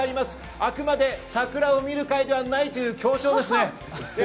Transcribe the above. あくまで「桜を見る会」ではないという強調です。